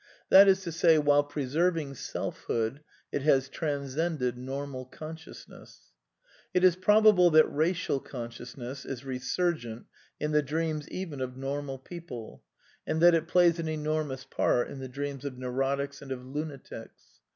That is to say, while preserving selfhood, it has trans cended normal consciousness. ^ It is probable that racial consciousness is resurgent in the t/ q i dreams even of normal people, and that it plays an enor ^«* mous part in the dreams of neurotics and of lunatics.